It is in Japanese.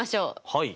はい。